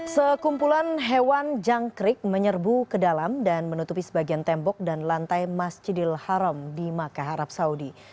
sekumpulan hewan jangkrik menyerbu ke dalam dan menutupi sebagian tembok dan lantai masjidil haram di makkah arab saudi